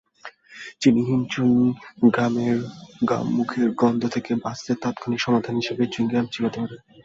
চিনিহীন chewing গামমুখের গন্ধ থেকে বাঁচতে তাৎক্ষণিক সমাধান হিসেবে চুইং গাম চিবাতে পারেন।